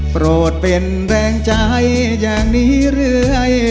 โปรดเป็นแรงใจอย่างนี้เรื่อย